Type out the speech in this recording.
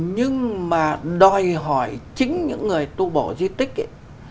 nhưng mà đòi hỏi chính những người tu bổ di tích ấy